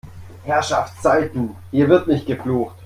Herrschaftszeiten, hier wird nicht geflucht!